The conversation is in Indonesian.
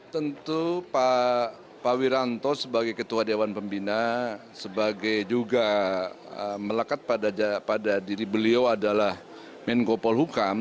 tentu pak wiranto sebagai ketua dewan pembina sebagai juga melekat pada diri beliau adalah menko polhukam